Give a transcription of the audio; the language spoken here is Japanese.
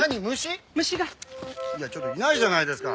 ちょっといないじゃないですか。